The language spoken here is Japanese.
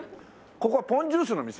ここはポンジュースの店？